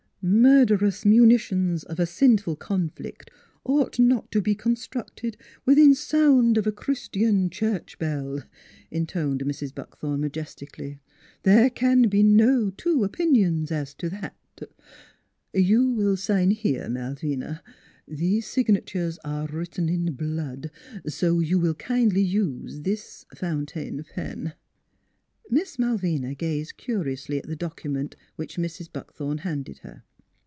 " Murderous munitions of a sinful conflict ought not to be con structed within sound of a Chr istian church bell !" intoned Mrs. Buckthorn majestically. " There can be no two o pinions as to that. ... You will sign here, Malvina ... these sig na tures are written in b lood, so you will kindly use this fountain pen." Miss Malvina gazed curiously at the document which Mrs. Buckthorn handed her.